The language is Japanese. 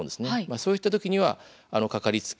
そういった時には掛かりつけ